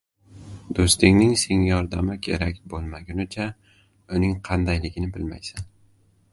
• Do‘stingning senga yordami kerak bo‘lmagunicha uning qandayligini bilmaysan.